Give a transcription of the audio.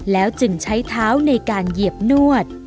แล้วจึงใช้เท้าในการเหยียบนวด